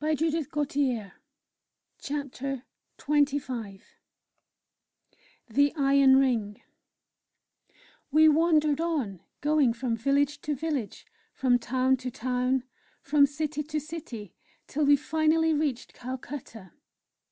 CHAPTER XXV THE IRON RING We wandered on, going from village to village, from town to town, from city to city, till we finally reached Calcutta.